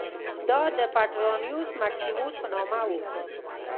دا د پټرانیوس مکسیموس په نامه و